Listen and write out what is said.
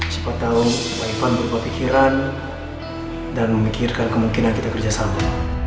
siapa tahu pak ivan berubah pikiran dan memikirkan kemungkinan kita kerja sama